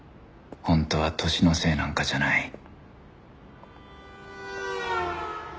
本当は年のせいなんかじゃない